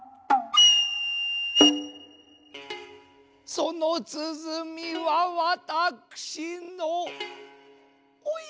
そのつづみはわたくしのおや。